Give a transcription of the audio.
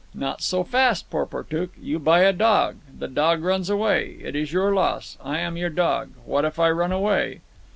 "Not so fast, Porportuk. You buy a dog. The dog runs away. It is your loss. I am your dog. What if I run away?"